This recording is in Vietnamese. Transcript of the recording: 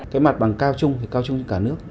cái mặt bằng cao chung thì cao chung cả nước